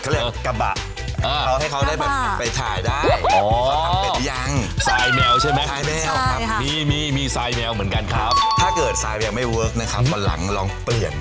แล้วก็ใช้สายฉีดน้ำเป็นด้วย